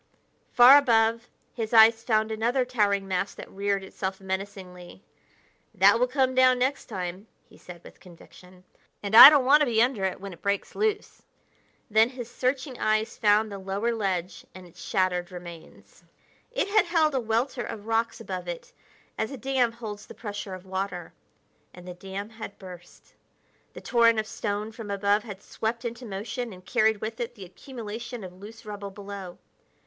Far above, his eyes found another towering mass that reared itself menacingly. "That will come down next time," he said with conviction, "and I don't want to be under it when it breaks loose." Then his searching eyes found the lower ledge and its shattered remains. It had held a welter of rocks above it as a dam holds the pressure of water and the dam had burst. The torrent of stone from above had swept into motion and carried with it the accumulation of loose rubble below.